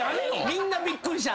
みんなびっくりした。